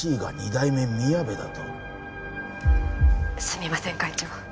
すみません会長。